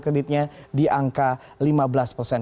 kreditnya di angka lima belas persen